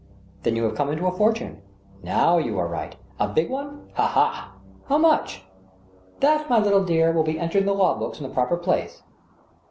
" Then you have come into a fortune," " Now you are right." " A big one ?" "Halhal" "How much?" 28 THE STEEL HAMMER. " That, my little dear, will be entered in the law books in the proper place."